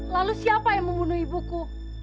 lalu siapa yang membunuh ibuku